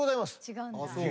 違うんだ。